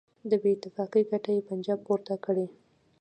د بېاتفاقۍ ګټه یې پنجاب پورته کړي.